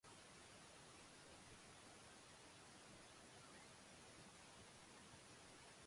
やがてバスが来て、僕はバスに乗り込み、バスは走り出した。駅へと向かっていった。